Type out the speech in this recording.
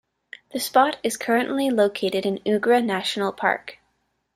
The spot is currently located in Ugra National Park.